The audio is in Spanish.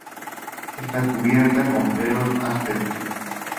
Está cubierta con pelos ásperos.